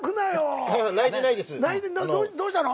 どうしたの？